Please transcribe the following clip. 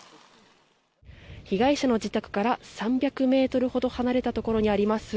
被害者の自宅から３００ｍほど離れたところにあります